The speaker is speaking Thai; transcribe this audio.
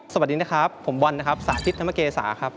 สวัสดีนะครับผมบอลนะครับสาธิตธรรมเกษาครับ